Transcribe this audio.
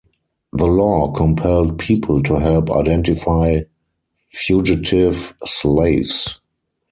The law compelled people to help identify fugitive slaves.